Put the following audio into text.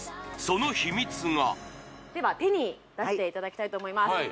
その秘密がでは手に出していただきたいと思います